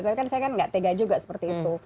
karena saya kan nggak tega juga seperti itu